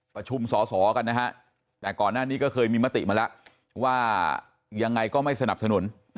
ประชุมสอสอกันนะฮะแต่ก่อนหน้านี้ก็เคยมีมติมาแล้วว่ายังไงก็ไม่สนับสนุน